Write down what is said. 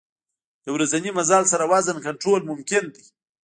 د ورځني مزل سره وزن کنټرول ممکن دی.